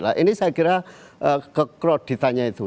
nah ini saya kira kekroditannya itu